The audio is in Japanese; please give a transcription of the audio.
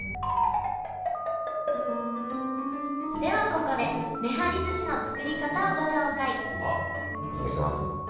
ではここでめはりずしの作り方をご紹介あっお願いします。